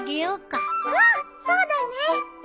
うんそうだね。